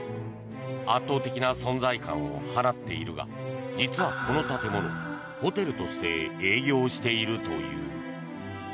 圧倒的な存在感を放っているが実は、この建物ホテルとして営業しているという。